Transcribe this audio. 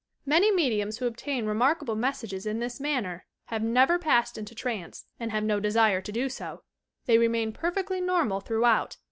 Many mediums who obtain remarkable messages in this manner have never passed into trance and have no desire to do so ; they remain perfectly normal throughout.